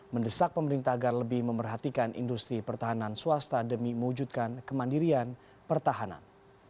mendesak pemerintah agar lebih memerhatikan industri pertahanan swasta demi mewujudkan kemandirian pertahanan